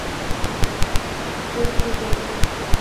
Зөлхизә